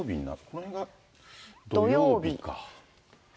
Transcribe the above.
この辺が土曜日か。